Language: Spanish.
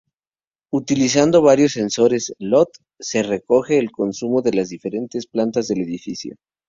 Utilizando varios sensores IoT, se recoge el consumo de las diferentes plantas del edificio.